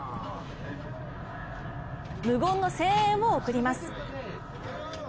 無言の声援を送ります。